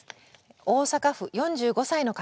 大阪府４５歳の方。